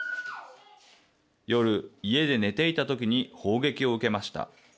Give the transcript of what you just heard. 夜、家で寝ていたときに砲撃を受けました。